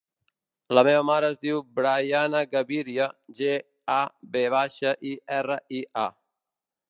La meva mare es diu Briana Gaviria: ge, a, ve baixa, i, erra, i, a.